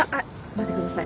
待ってください。